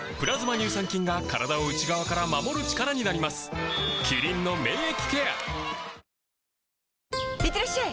乳酸菌が体を内側から守る力になりますいってらっしゃい！